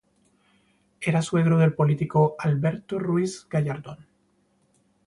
Era suegro del político Alberto Ruiz-Gallardón.